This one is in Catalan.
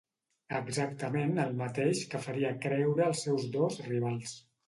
Exactament el mateix que faria creure als seus dos rivals.